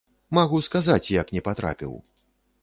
Магу сказаць, як не патрапіў.